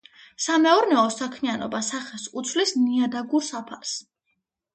სამეურნეო საქმიანობა სახეს უცვლის ნიადაგურ საფარს.